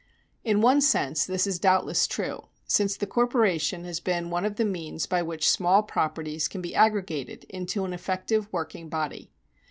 In one sense this is doubtless true, since the corporation has been one of the means by which small properties can be aggregated into an effective working body.